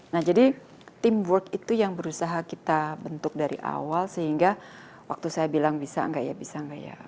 nah jadi teamwork itu yang berusaha kita bentuk dari awal sehingga waktu saya bilang bisa enggak ya bisa nggak ya